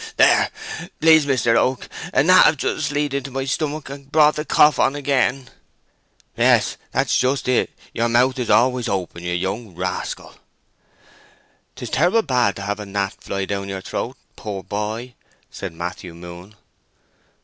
"Ahok! there! Please, Mister Oak, a gnat have just fleed into my stomach and brought the cough on again!" "Yes, that's just it. Your mouth is always open, you young rascal!" "'Tis terrible bad to have a gnat fly down yer throat, pore boy!" said Matthew Moon.